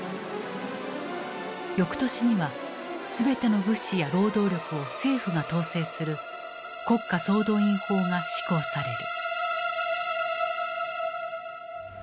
翌年には全ての物資や労働力を政府が統制する「国家総動員法」が施行される。